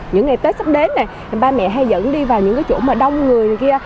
những ngày tết sắp đến này ba mẹ hay dẫn đi vào những chỗ mà đông người kia